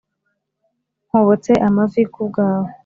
Nkobotse amavi kubwawe